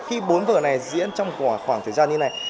khi bốn vở này diễn trong khoảng thời gian